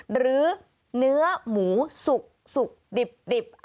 หรือเนื้อหมูสุกดิบ